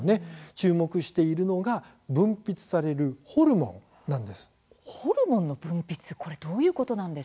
注目しているのが分泌されるホルモンなんです。